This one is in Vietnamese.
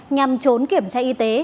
nhằm trốn kiểm tra y tế